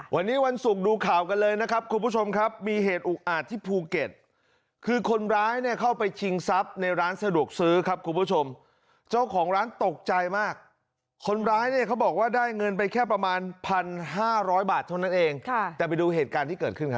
วันนี้วันศุกร์ดูข่าวกันเลยนะครับคุณผู้ชมครับมีเหตุอุกอาจที่ภูเก็ตคือคนร้ายเนี่ยเข้าไปชิงทรัพย์ในร้านสะดวกซื้อครับคุณผู้ชมเจ้าของร้านตกใจมากคนร้ายเนี่ยเขาบอกว่าได้เงินไปแค่ประมาณพันห้าร้อยบาทเท่านั้นเองค่ะแต่ไปดูเหตุการณ์ที่เกิดขึ้นครับ